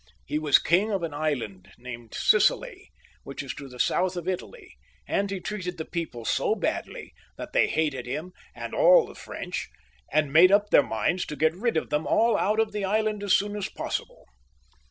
He was king of an island named Sicily, which is to the south of Italy ; and he treated the people so badly that they hated him and all the French, and made up their minds to get rid of them all out of the island as soon as possible.